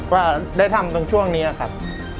ว่าได้ทำตรงช่วงนี้ครับ